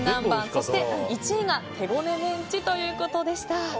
そして１位が手ごねメンチということでした。